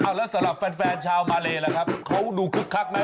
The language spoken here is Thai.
แล้วสำหรับแฟนชาวมาเลล่ะครับเขาดูคึกคักไหม